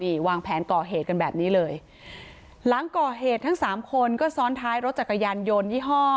นี่วางแผนก่อเหตุกันแบบนี้เลยหลังก่อเหตุทั้งสามคนก็ซ้อนท้ายรถจักรยานยนต์ยี่ห้อ